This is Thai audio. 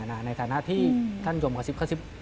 ในฐานะที่ธ่านยมขะซิบ